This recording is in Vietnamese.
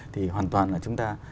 thì hoàn toàn là chúng ta